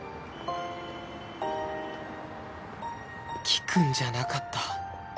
聞くんじゃなかった